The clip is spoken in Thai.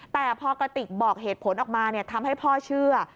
แต่พอกระติกบอกเหตุผลออกมาทำให้พ่อเชื่อ